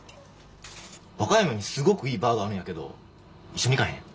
和歌山にすごくいいバーがあるんやけど一緒に行かへん？